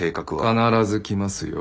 必ず来ますよ。